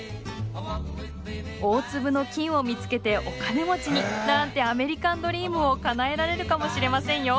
大粒の金を見つけてお金持ちになんてアメリカンドリームをかなえられるかもしれませんよ。